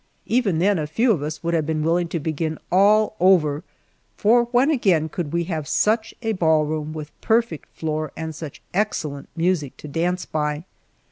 Even then a few of us would have been willing to begin all over, for when again could we have such a ballroom with perfect floor and such excellent music to dance by?